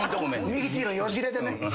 ミキティーのよじれでね。